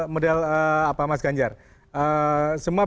mas ganjar semua